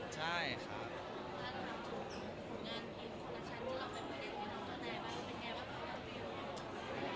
ใช่ครับ